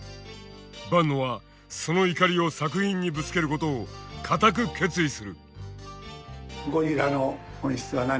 坂野はその怒りを作品にぶつけることを固く決意する。